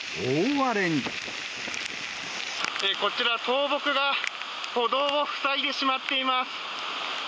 こちら、倒木が歩道を塞いでしまっています。